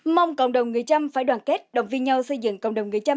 mong cộng đồng người trăm phải đoàn kết đồng viên nhau xây dựng cộng đồng người trăm